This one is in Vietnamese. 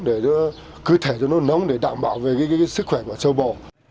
để cơ thể cho nó nóng để đảm bảo về cái sức khỏe của châu bò